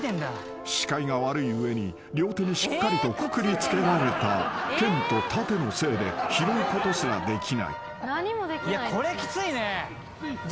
［視界が悪い上に両手にしっかりとくくりつけられた剣と盾のせいで拾うことすらできない］